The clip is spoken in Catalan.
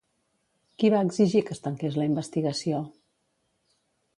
Qui va exigir que es tanqués la investigació?